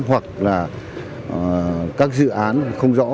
hoặc là các dự án không rõ